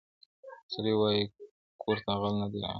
سړی وایې کورته غل نه دی راغلی.